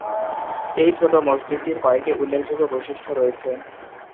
এই ছোট মসজিদটির কয়েকটি উল্লেখযোগ্য বৈশিষ্ট্য রয়েছে।